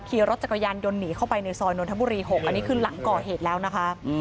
ขี่รถจักรยานยนต์หนีเข้าไปในซอยนนทบุรี๖อันนี้คือหลังก่อเหตุแล้วนะคะ